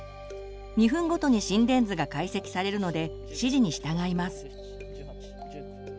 ２分ごとに心電図が解析されるので指示に従います。